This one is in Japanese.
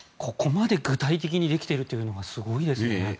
ここまで具体的にできているというのがすごいですよね。